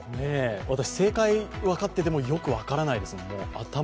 私、正解が分かっていてもよく分からないですもの。